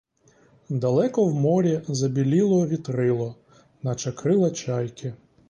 Далеко в морі забіліло вітрило, наче крила чайки.